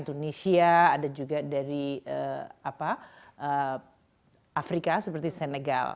indonesia ada juga dari afrika seperti senegal